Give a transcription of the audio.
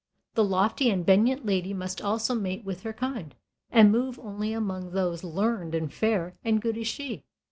The lofty and benignant lady must needs also mate with her kind, and move only among those "learn'd and fair and good as she."